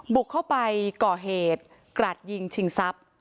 บุกเข้าไปก่อเหตุกระดยิงชิงซับ